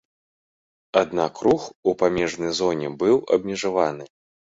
Аднак рух у памежнай зоне быў абмежаваны.